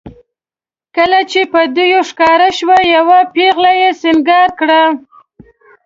کله چې به دېو ښکاره شو یوه پېغله یې سینګار کړه.